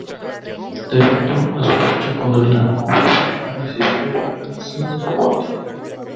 Debido a su lucha contra la homofobia, ha recibido amenazas de muerte.